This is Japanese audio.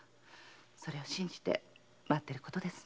それを信じて待っていることですね。